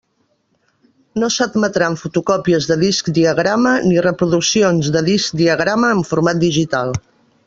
No s'admetran fotocòpies de discs diagrama ni reproduccions de discs diagrama en format digital.